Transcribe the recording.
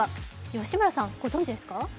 吉村さん、ご存じですか？